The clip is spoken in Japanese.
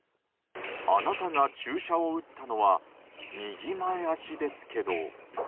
あなたが注射を打ったのは右前脚ですけど。